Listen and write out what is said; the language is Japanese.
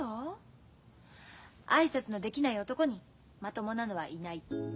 挨拶のできない男にまともなのはいない。